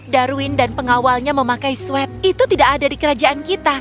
darwin dan pengawalnya memakai swep itu tidak ada di kerajaan kita